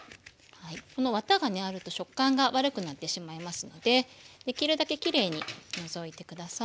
このワタがねあると食感が悪くなってしまいますのでできるだけきれいに除いて下さい。